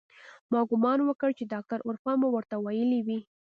ما ګومان وکړ چې ډاکتر عرفان به ورته ويلي وي.